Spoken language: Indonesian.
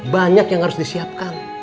banyak yang harus disiapkan